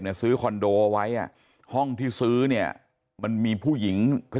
เนี่ยซื้อคอนโดไว้อ่ะห้องที่ซื้อเนี่ยมันมีผู้หญิง